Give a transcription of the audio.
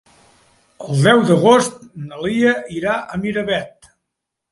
El deu d'agost na Lia irà a Miravet.